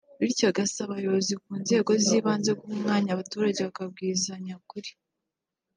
bityo asaba abayobozi ku nzego zibanze guha umwanya abaturage bakabwizanya ukuri